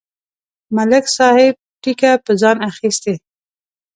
ملک صاحب ټېکه په ځان اخستې.